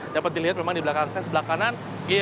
dapat dilihat memang di belakang saya sebelah kanan